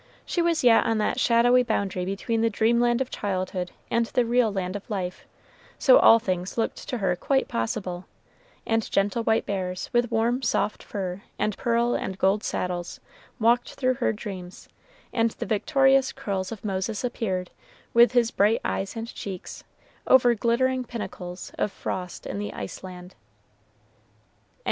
She was yet on that shadowy boundary between the dreamland of childhood and the real land of life; so all things looked to her quite possible; and gentle white bears, with warm, soft fur and pearl and gold saddles, walked through her dreams, and the victorious curls of Moses appeared, with his bright eyes and cheeks, over glittering pinnacles of frost in the ice land.